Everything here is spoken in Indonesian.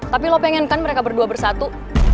tapi lo pengen kan mereka berdua bersatu